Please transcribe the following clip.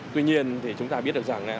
tuy nhiên chúng ta biết được rằng